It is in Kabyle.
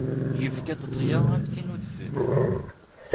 Yefka-d ṭṭya, am tin n udfel.